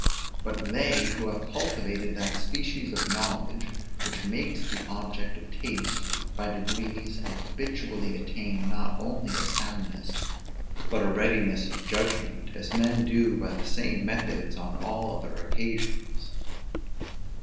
But they who have cultivated that species of knowledge which makes the object of taste, by degrees and habitually attain not only a soundness but a readiness of judgment, as men do by the same methods on all other occasions.